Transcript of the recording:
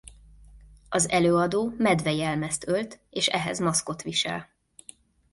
Az előadó medve jelmezt ölt és ehhez maszkot visel.